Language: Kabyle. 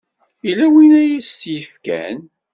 Yella win ay as-t-yefkan.